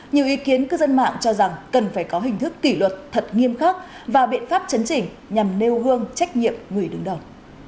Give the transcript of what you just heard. nhiều ý kiến cư dân mạng cho rằng cần phải có hình thức kỷ luật thật nghiêm khắc và biện pháp chấn chỉnh nhằm nêu gương trách nhiệm người đứng đầu